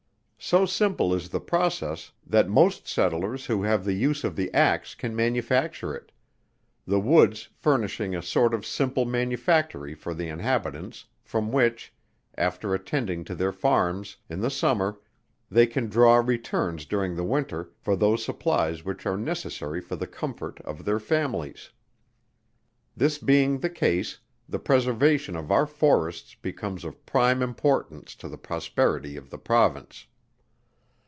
So simple is the process that most settlers who have the use of the axe can manufacture it; the woods furnishing a sort of simple manufactory for the inhabitants, from which, after attending to their farms, in the summer, they can draw returns during the winter for those supplies which are necessary for the comfort of their families. This being the case, the preservation of our forests becomes of prime importance to the prosperity of the Province.